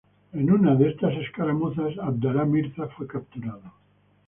En una de estas escaramuzas Abdalá Mirza fue capturado.